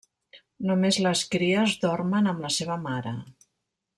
Només les cries dormen amb la seva mare.